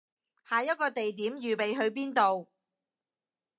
下一個地點預備去邊度